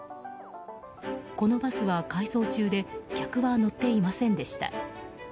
このバスは回送中で客は乗っていませんでした。